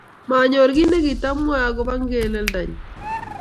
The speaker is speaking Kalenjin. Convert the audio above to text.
Manyoru kit ne kitamwoe akopo ingeleldo nyi.